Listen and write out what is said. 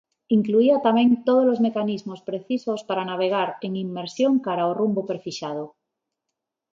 Incluía tamén tódolos mecanismos precisos para navegar en inmersión cara ao rumbo prefixado.